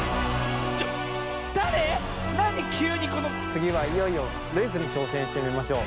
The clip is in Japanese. つぎはいよいよレースにちょうせんしてみましょう。